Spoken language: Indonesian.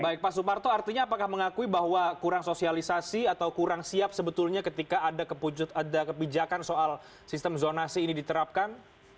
baik pak suparto artinya apakah mengakui bahwa kurang sosialisasi atau kurang siap sebetulnya ketika ada kebijakan soal sistem zonasi ini diterapkan